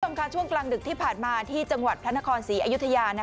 ช่วงกลางดึกที่ผ่านมาที่จังหวัดพระนครศรีอยุธยา